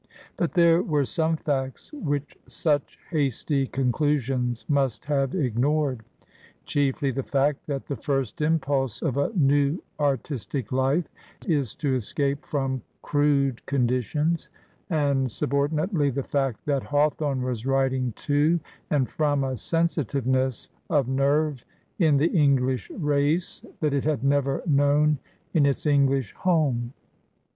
But there were some facts which such hasty conclu sions must have ignored; chiefly the fact that the first impulse of a new artistic life is to escape from crude conditions; and subordinately the fact that Hawthorne was writing to and from a sensitive ness of nerve in the English race that it had never known in its Enghsh home.